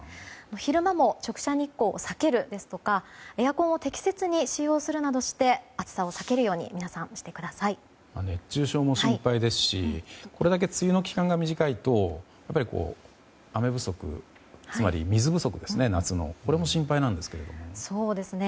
昼間も直射日光を避けるですとかエアコンを適切に使用するなどして暑さを避けるように熱中症も心配ですしこれだけ梅雨の期間が短いと雨不足つまり夏の水不足ですね。